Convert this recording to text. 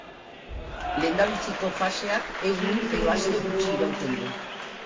Lehendabiziko faseak egun edo aste gutxi irauten du.